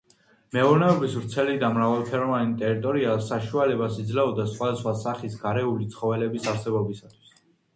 მეურნეობის ვრცელი და მრავალფეროვანი ტერიტორია საშუალებას იძლეოდა სხვადასხვა სახის გარეული ცხოველის არსებობისათვის.